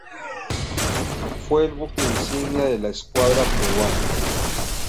Fue el buque insignia de la escuadra peruana.